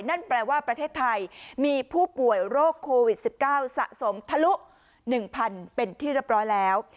นั่นแปลว่าประเทศไทยมีผู้ป่วยโรคโควิด๑๙สะสมทะลุ๑๐๐เป็นที่เรียบร้อยแล้ว